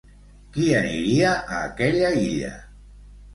Qui aniria a aquella illa?